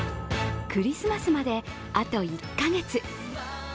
クリスマスまで、あと１カ月。